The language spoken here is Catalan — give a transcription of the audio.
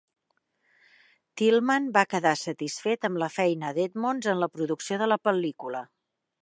Tillman va quedar satisfet amb la feina d'Edmonds en la producció de la pel·lícula.